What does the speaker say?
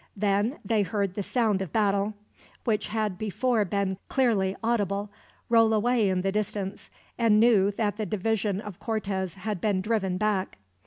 Then they heard the sound of battle, which had before been clearly audible, roll away in the distance; and knew that the division of Cortez had been driven back.